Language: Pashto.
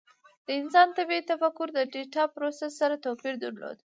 د انسان طبیعي تفکر د ډیټا پروسس سره توپیر درلود.